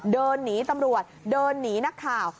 เดินหนีตำรวจเดินหนีนักข่าว